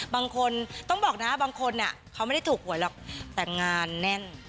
บางคนต้องบอกนะบางคนเขาไม่ได้ถูกหวยหรอกแต่งานแน่น